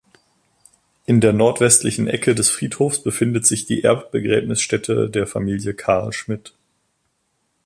In der nordwestlichen Ecke des Friedhofs befindet sich die Erbbegräbnisstätte der Familie Carl Schmidt.